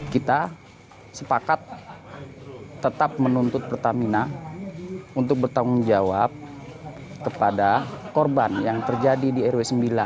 kita sepakat tetap menuntut pertamina untuk bertanggung jawab kepada korban yang terjadi di rw sembilan